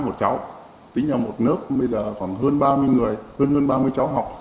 một cháu tính là một nước bây giờ còn hơn ba mươi người hơn hơn ba mươi cháu học